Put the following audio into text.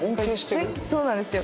そうなんですよ。